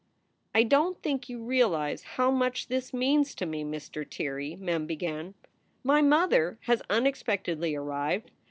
"I don t think you realize how much this means to me, Mr. Tirrey," Mem began. My mother has unexpectedly arrived.